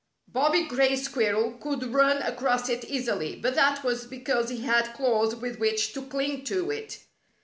Bobby Gray Squir rel could run across it easily, but that was be cause he had claws with which to cling to it.